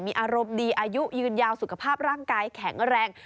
มีอารมณ์ดีอายุยืนยาวสุขภาพร่างกายแข็งแรง